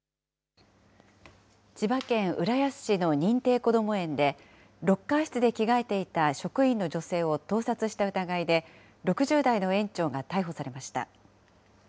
千葉県浦安市の認定こども園で、ロッカー室で着替えていた職員の女性を盗撮した疑いで、６０代の園長が逮捕されました。